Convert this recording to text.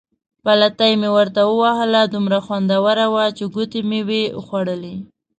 پلتۍ مې ورته ووهله، دومره خوندوره وه چې ګوتې مې وې خوړلې.